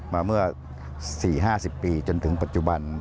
มาเมื่อ๔๕๐ปีจนถึงปัจจุบัน